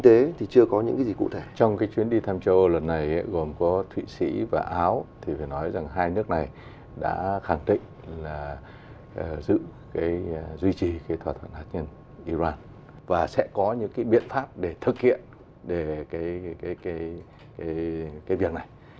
tuy trì cái thỏa thuận hạt nhân iran và sẽ có những cái biện pháp để thực hiện cái việc này